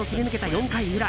４回裏。